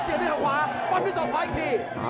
เสียด้วยขวาปลันยังต้องเสาขาอีกที